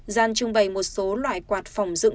gian trưng bày một số loại quạt phòng dựng